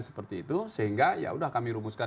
seperti itu sehingga yaudah kami rumuskan